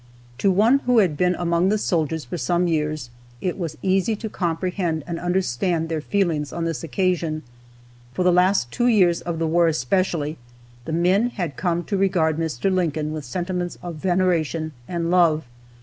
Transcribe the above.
To one who had been among the soldiers for some years, it was easy to comprehend and understand their feelings on this occasion. For the last two years of the war especially, the men had come to regard Mr. Lincoln with sentiments of veneration and love.